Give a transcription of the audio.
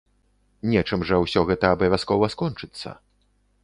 Нечым жа ўсё гэта абавязкова скончыцца.